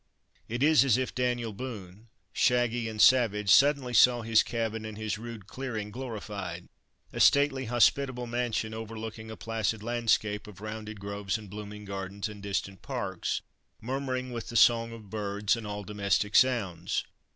It is as if Daniel Boone, shaggy and savage, suddenly saw his cabin and his rude clearing glorified: a stately, hospitable mansion, overlooking a placid landscape of rounded groves and blooming gardens and distant parks, murmuring with the song of birds and all domestic sounds.